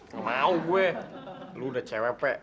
gak mau gue